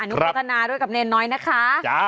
นุพัฒนาด้วยกับเนรน้อยนะคะ